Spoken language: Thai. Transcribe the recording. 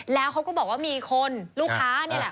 แล้วเขาก็บอกว่ามีคนลูกค้านี่แหละ